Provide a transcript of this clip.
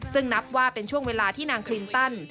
ซึ่งนับว่าเป็นช่วงเวลาที่นางคลินตัน